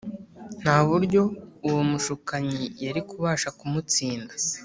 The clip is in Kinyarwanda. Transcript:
nta buryo uwo mushukanyi yari kubasha kumutsinda